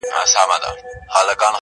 جالبه دا ده یار چي مخامخ جنجال ته ګورم.